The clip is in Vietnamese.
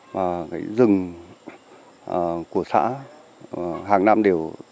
và cái rừng của xã hàng năm đều